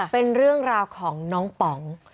เป็นเรื่องราวของน้องป๋อง